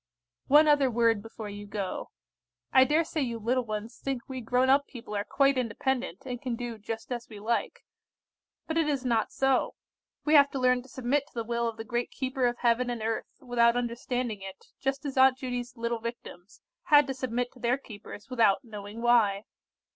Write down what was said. "One other word before you go. I dare say you little ones think we grown up people are quite independent, and can do just as we like. But it is not so. We have to learn to submit to the will of the great Keeper of Heaven and earth, without understanding it, just as Aunt Judy's little Victims had to submit to their keepers without knowing why.